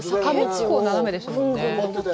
結構斜めでしたもんね。